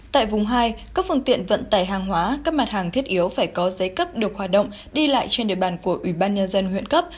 tại vùng hai các phương tiện vận tải hàng hóa các mặt hàng thiết yếu phải có giấy cấp được hoạt động đi lại trên địa bàn của ubnd huyện cấp